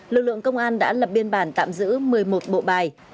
lực lượng công an đã lập biên bản tạm giữ một mươi một bộ bài